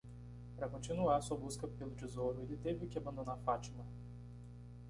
Para continuar sua busca pelo tesouro, ele teve que abandonar Fátima.